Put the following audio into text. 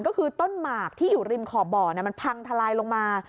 ก็คือต้นหมากที่อยู่ริมขอบบ่อมันพังทลายลงมา